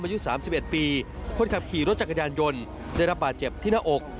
อายุ๓๑ปีคนขับขี่รถจักรยานยนต์ได้รับบาดเจ็บที่หน้าอก